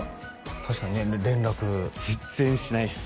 確かにね連絡全然しないっす